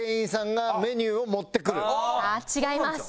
違います。